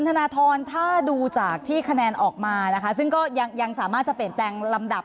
ธนทรถ้าดูจากที่คะแนนออกมานะคะซึ่งก็ยังสามารถจะเปลี่ยนแปลงลำดับ